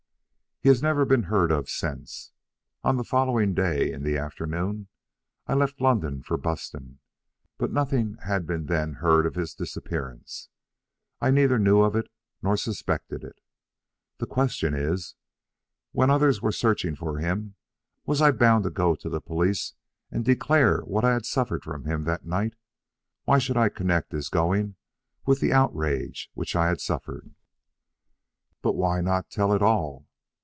"He has never been heard of since. On the following day, in the afternoon, I left London for Buston; but nothing had been then heard of his disappearance. I neither knew of it nor suspected it. The question is, when others were searching for him, was I bound to go to the police and declare what I had suffered from him that night? Why should I connect his going with the outrage which I had suffered?" "But why not tell it all?"